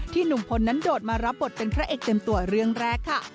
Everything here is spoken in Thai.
หนุ่มพลนั้นโดดมารับบทเป็นพระเอกเต็มตัวเรื่องแรกค่ะ